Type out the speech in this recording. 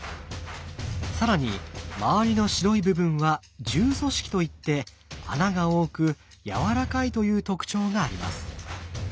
更に周りの白い部分は柔組織といって穴が多くやわらかいという特徴があります。